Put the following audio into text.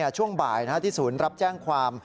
ช่วงบ่ายที่ศูนย์รับแจ้งความ